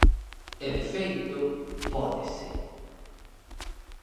E de feito, pódese.